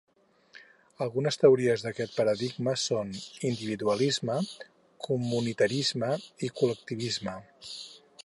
Algunes teories d'aquest paradigma són: individualisme, comunitarisme i col·lectivisme.